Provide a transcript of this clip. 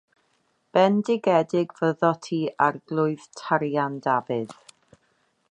Bendigedig fyddo ti “Arglwydd”, tarian Dafydd.